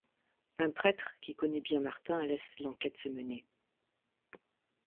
Un prêtre qui connaît bien Martin laisse l'enquête se mener.